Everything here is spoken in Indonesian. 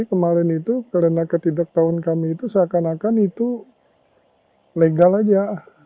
jadi kemarin itu karena ketidaktahuan kami itu seakan akan itu legal aja